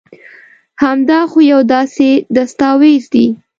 هم دا خو يو داسي دستاويز دي